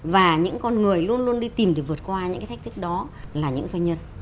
và những con người luôn luôn đi tìm để vượt qua những cái thách thức đó là những doanh nhân